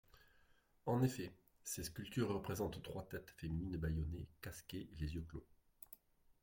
En effet, ces sculptures représentent trois têtes féminines bâillonnées, casquées et les yeux clos.